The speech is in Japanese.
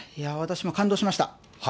私も感動しました。